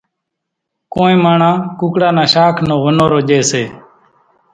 ڪونئين ماڻۿان ڪُوڪڙا نا شاک نو ونورو ڄيَ سي۔